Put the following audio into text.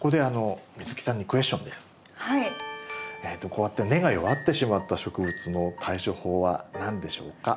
こうやって根が弱ってしまった植物の対処法は何でしょうか？